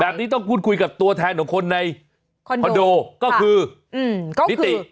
แบบนี้ต้องพูดคุยกับตัวแทนของคนในคอนโดก็คือนิติ